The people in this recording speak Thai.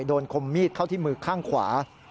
คมมีดเข้าที่มือข้างขวา